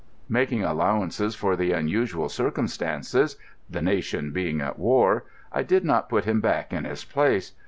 Making allowances for the unusual circumstances, the nation being at war, I did not put him back in his place.